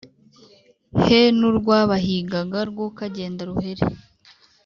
He n'urwabahigaga! Rwo kagenda ruhere